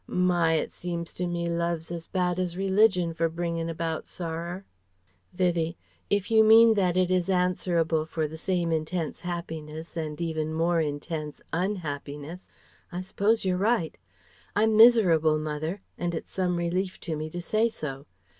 My! It seems to me Love's as bad as Religion for bringin' about sorrer!" Vivie: "If you mean that it is answerable for the same intense happiness and even more intense _un_happiness, I suppose you're right. I'm miserable, mother, and it's some relief to me to say so.